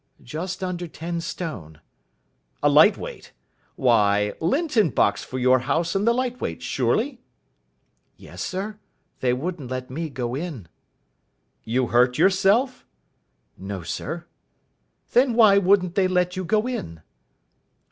"Just under ten stone." "A light weight. Why, Linton boxed for your house in the Light Weights surely?" "Yes sir. They wouldn't let me go in." "You hurt yourself?" "No, sir." "Then why wouldn't they let you go in?"